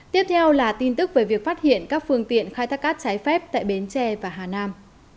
tiếp theo là tin tức về việc phát hiện các phương tiện khai thác cát trái phép tại bến tre và hà nam